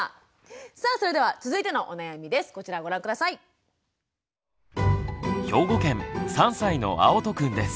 さあそれでは続いてのお悩みです。